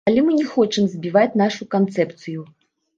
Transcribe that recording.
Але мы не хочам збіваць нашу канцэпцыю.